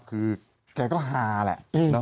คือแกก็ฮาแหละ